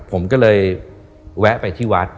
ผมก็เลยแวะไปที่วัด